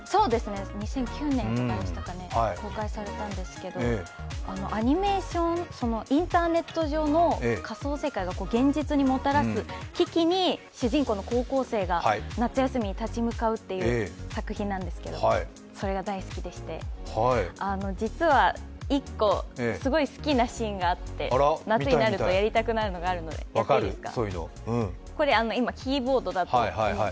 ２００９年とかに公開されたんですけどアニメーション、インターネット上の仮想世界が現実にもたらす危機に主人公の高校生が夏休みに立ち向かうという作品なんですけど、それが大好きでして、実は１個、すごい好きなシーンがあって夏になるとやりたくなるのがあるのでやっていいですか。